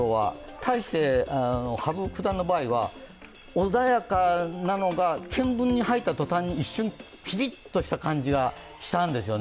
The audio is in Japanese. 対して羽生九段の場合は、穏やかなのが、検分に入ったとたんに一瞬、ピリッとした感じがしたんですよね。